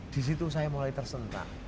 di situ saya mulai tersentak